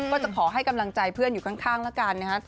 ก็จะขอให้กำลังใจเพื่อนอยู่ข้างละกันนะฮะ